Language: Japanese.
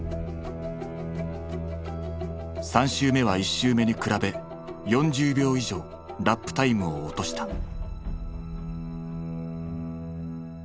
３周目は１周目に比べ４０秒以上ラップタイムを落とした。